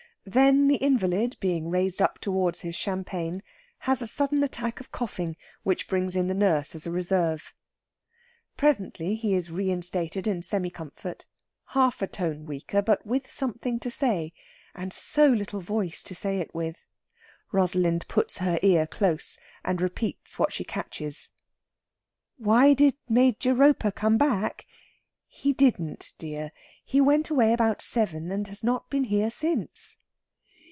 Then the invalid, being raised up towards his champagne, has a sudden attack of coughing, which brings in the nurse as a reserve. Presently he is reinstated in semi comfort, half a tone weaker, but with something to say. And so little voice to say it with! Rosalind puts her ear close, and repeats what she catches. "Why did Major Roper come back? He didn't, dear. He went away about seven, and has not been here since."